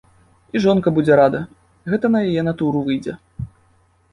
І жонка будзе рада, гэта на яе натуру выйдзе.